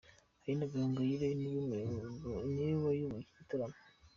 Aline Gahongayire niwe wayoboye iki gitaramo.